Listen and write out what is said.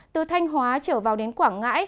từ thanh hóa trở vào đến quảng ngãi